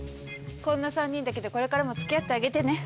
こんな３人だけどこれからも付き合ってあげてね。